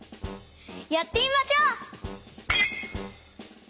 やってみましょう！